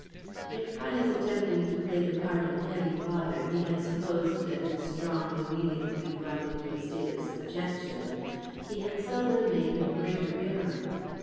If by his attempting to play the part of heavy father he had supposed that Miss Strong would immediately be brought into a state of subjection, he had seldom made a greater error.